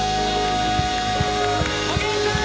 おげんさん！